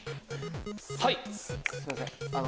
はい？